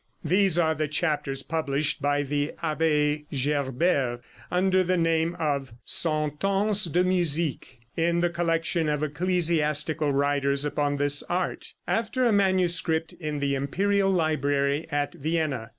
These are the chapters published by the Abbé Gerbert, under the name of "Sentences de Musique," in the collection of ecclesiastical writers upon this art, after a manuscript in the imperial library at Vienna.